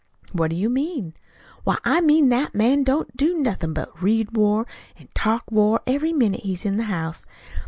"What do you mean?" "Why, I mean that that man don't do nothin' but read war an' talk war every minute he's in the house.